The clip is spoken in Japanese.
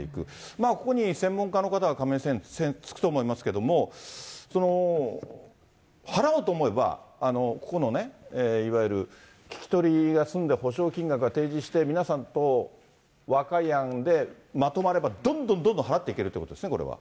まあ、ここに専門家の方が、亀井先生、つくと思いますけれども、払おうと思えば、ここのいわゆる聞き取りが済んで補償金額を提示して、皆さんと和解案でまとまれば、どんどんどんどん払っていけるということですね、これは。